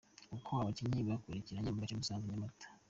Uko abakinnyi bakurikiranye mu gace Musanze-Nyamata